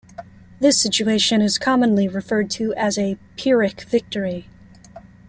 This situation is commonly referred to as a Pyrrhic victory.